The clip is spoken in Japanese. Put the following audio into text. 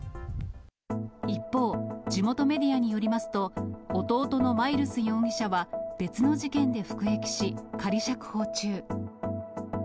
一方、地元メディアによりますと、弟のマイルス容疑者は別の事件で服役し、仮釈放中。